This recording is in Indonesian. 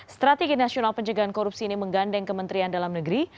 strategi nasional pencegahan korupsi ini menggandeng kementerian dalam negeri